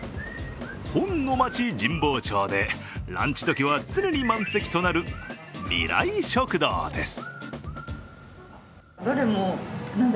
本の街、神保町でランチ時は常に満席となる未来食堂です。